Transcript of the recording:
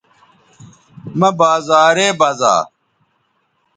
مہ بازارے بزا